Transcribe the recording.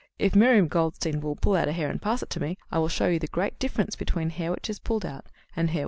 If Miriam Goldstein will pull out a hair and pass it to me, I will show you the great difference between hair which is pulled out and hair which is shed."